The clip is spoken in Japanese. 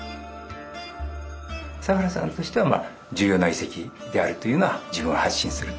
佐原さんとしては重要な遺跡であるというのは自分は発信すると。